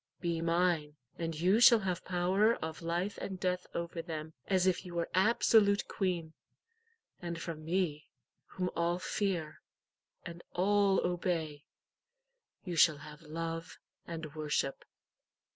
Be mine, and you shall have power of life and death over them, as if you were absolute queen. And from me, whom all fear, and all obey, you shall have love and worship."